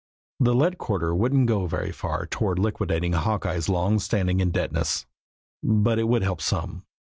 The lead quarter wouldn't go very far toward liquidating Hawkeye's long standing indebtedness but it would help some.